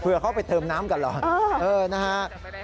เผื่อเข้าไปเติมน้ำกันหรอเออนะครับ